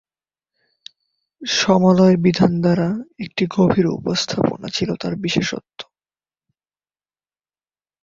সমলয় বিধান দ্বারা একটি গভীর উপস্থাপনা ছিল তাঁর বিশেষত্ব।